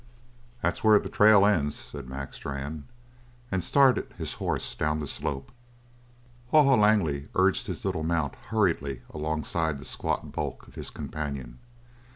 "That's where the trail ends," said Mac Strann, and started his horse down the slope. Haw Haw Langley urged his little mount hurriedly alongside the squat bulk of his companion.